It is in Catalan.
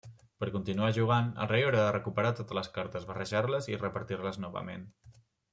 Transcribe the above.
Per continuar jugant, el rei haurà de recuperar totes les cartes, barrejar-les i repartir-les novament.